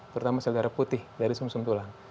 terutama sel darah putih dari sum sum tulang